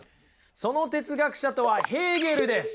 その哲学者とはヘーゲルです。